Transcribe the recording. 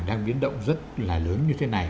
đang biến động rất là lớn như thế này